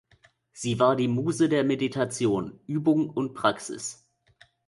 Sie war die Muse der Meditation, Übung und Praxis.